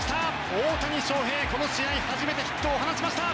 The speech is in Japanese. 大谷翔平、この試合初めてヒットを放ちました！